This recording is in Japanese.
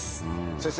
先生